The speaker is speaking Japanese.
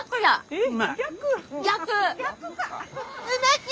えっ？